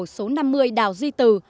số năm mươi đào duy từ